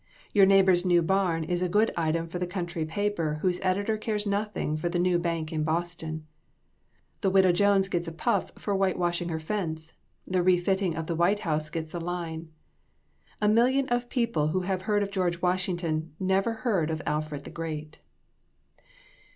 Your neighbor's new barn is a good item for the county paper whose editor cares nothing for the new bank in Boston. The Widow Jones gets a puff for whitewashing her fence; the refitting of the White House gets a line. A million of people who have heard of George Washington, never heard of Alfred the Great.